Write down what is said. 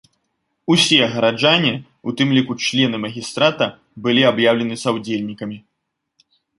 Усе гараджане, у тым ліку члены магістрата былі аб'яўлены саўдзельнікамі.